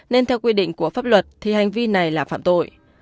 nên theo quy định của pháp luật thì hành vi này là phạm tội